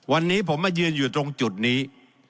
วันนี้ผมมายืนอยู่ตรงจุดนี้